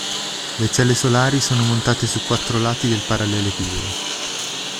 Le celle solari sono montate su quattro lati del parallelepipedo.